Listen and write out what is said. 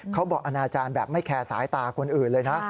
บอกอนาจารย์แบบไม่แคร์สายตาคนอื่นเลยนะ